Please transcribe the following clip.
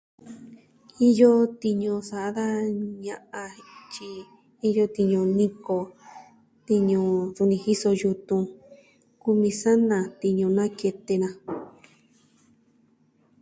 Iyo tiñu sa'a da ña'an, tyi iyo tiñu niko, tiñu, suu ni jiso yutun, kumi sana, tiñu nakete na.